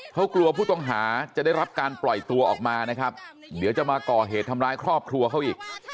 เขากลัวผู้ต้องหาจะได้รับการปล่อยตัวออกมานะครับเดี๋ยวจะมาก่อเหตุทำร้ายครอบครัวเขาอีก